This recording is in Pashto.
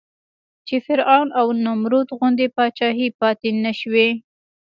چې فرعون او نمرود غوندې پاچاهۍ پاتې نه شوې.